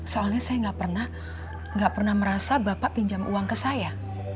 soalnya saya nggak pernah merasa bapak pinjam uang ke saya